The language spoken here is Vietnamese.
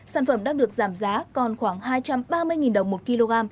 sản phẩm đang được giảm giá còn khoảng hai trăm ba mươi đồng một kg